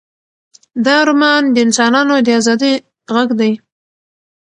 دا رومان د انسانانو د ازادۍ غږ دی.